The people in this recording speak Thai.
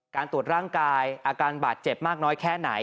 การตรวจร่างกายอาการบาดเจ็บมากน้อยแค่ไหน